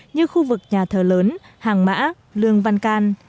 như khu vực nhà thờ lớn hàng mã lương văn can